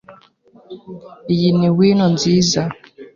Iyi ni wino nziza.